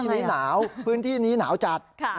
พื้นที่นี้หนาวพื้นที่นี้หนาวจัด